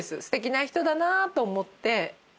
すてきな人だなと思って。